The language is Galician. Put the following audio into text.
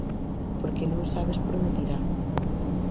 Porque non sabes por onde tirar.